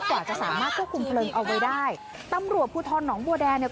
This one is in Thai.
กว่าจะสามารถควบคุมเพลิงเอาไว้ได้ตำรวจภูทรหนองบัวแดงเนี่ย